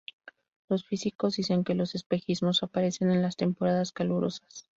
Los físicos dicen que los espejismos aparecen en las temporadas calurosas.